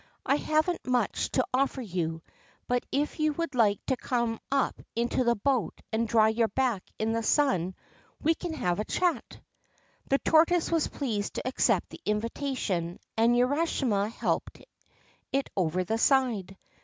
I haven't much to offer you, but if you would like to come up into the boat and dry your back in the sun we can have a chat.' The tortoise was pleased to accept the invitation, and Urashima helped it up over the side.